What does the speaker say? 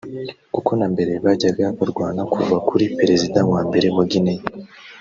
kuko na mbere bajyaga barwana kuva kuri Perezida wa mbere wa Guinea